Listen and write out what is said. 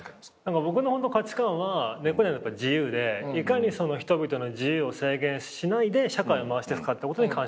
僕の価値観は根っこにあるのは自由でいかに人々の自由を制限しないで社会を回していくかってことに関心があって。